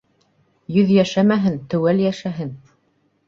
Йөҙ йәшәмәһен, теүәл йәшәһен.